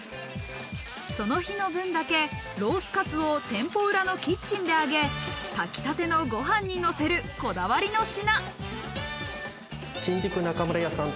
その日の分だけロースカツを店舗裏のキッチンで揚げ、炊きたてのご飯にのせる、こだわりの品。